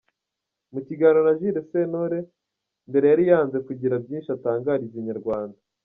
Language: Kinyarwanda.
Mu kiganiro na Jules Sentore, mbere yari yanze kugira byinshi atangariza Inyarwanda.